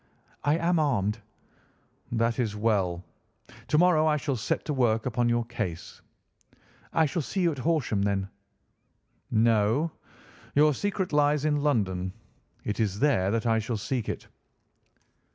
"I am armed." "That is well. To morrow I shall set to work upon your case." "I shall see you at Horsham, then?" "No, your secret lies in London. It is there that I shall seek it."